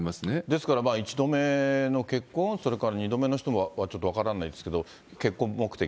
ですから、１度目の結婚、それから２度目の人はちょっと分からないですけど、結婚目的。